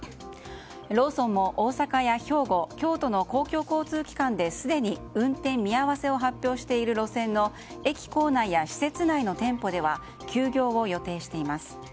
ローソンも大阪や兵庫、京都の公共交通機関ですでに運転見合わせを発表している路線の駅構内や施設内の店舗では休業を予定しています。